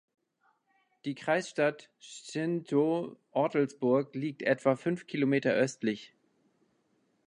Die Kreisstadt Szczytno "(Ortelsburg)" liegt etwa fünf Kilometer östlich.